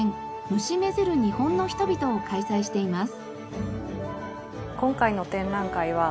「虫めづる日本の人々」を開催しています。